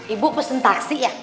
ibu pesen taksi ya